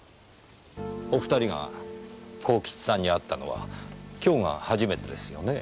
お２人が幸吉さんに会ったのは今日が初めてですよね？